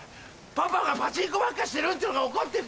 パパがパチンコばっかしてるっていうの怒ってる。